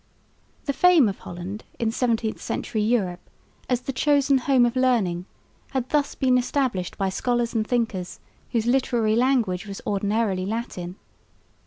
The fame of Holland in 17th century Europe as the chosen home of learning had thus been established by scholars and thinkers whose literary language was ordinarily Latin.